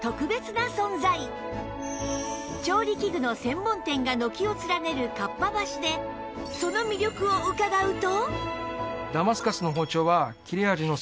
調理器具の専門店が軒を連ねるかっぱ橋でその魅力を伺うと